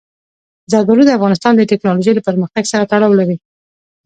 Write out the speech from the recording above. زردالو د افغانستان د تکنالوژۍ له پرمختګ سره تړاو لري.